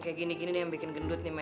kayak gini gini nih yang bikin gendut nih